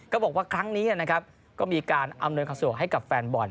บอกว่าครั้งนี้นะครับก็มีการอำนวยความสะดวกให้กับแฟนบอล